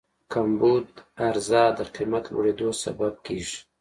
کمبود عرضه د قیمت لوړېدو سبب کېږي.